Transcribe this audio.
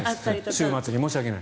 週末に申し訳ない。